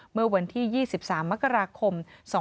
เมื่อวันที่๒๓มกราคม๒๕๖